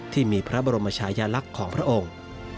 ที่มีพระบรมชายลักษณ์ของพระองค์